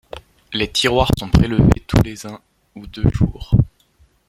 Les tiroirs sont prélevés tous les un ou deux jours.